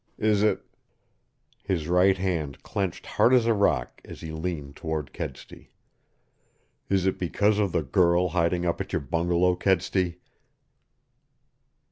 Is it " His right hand clenched hard as a rock as he leaned toward Kedsty. "Is it because of the girl hiding up at your bungalow, Kedsty?"